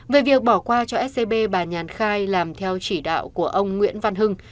về việc bỏ qua cho scb bà nhàn khai làm theo chỉ đạo của ông nguyễn văn hưng